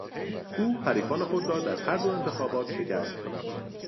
او حریفان خود را در هر دو انتخابات شکست داد.